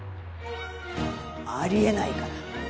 ありえないから。